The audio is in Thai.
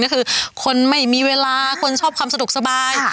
ก็คือคนไม่มีเวลาคนชอบความสะดวกสบาย